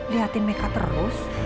liatin meka terus